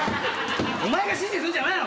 お前が指示すんじゃない。